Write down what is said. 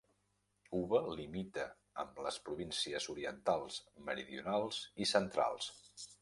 Uva limita amb les províncies orientals, meridionals i centrals.